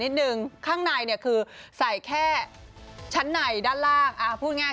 หนึ่งข้างในเนี่ยคือใส่แค่ชั้นในด้านล่างพูดง่าย